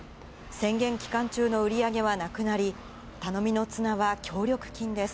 宣言期間中の売り上げはなくなり、頼みの綱は協力金です。